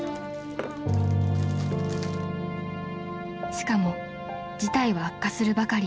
［しかも事態は悪化するばかり］